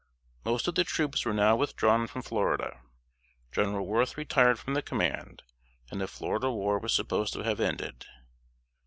Most of the troops were now withdrawn from Florida. General Worth retired from the command, and the Florida War was supposed to have ended.